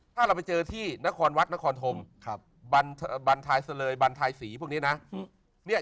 ถ้าเราไปเจอที่นครวัดนครธมบันทายซะเลยบันทายสีพวกนี้นะ